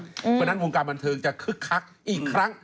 เพราะฉะนั้นวงการบันเทิงจะคึกคักอีกครั้ง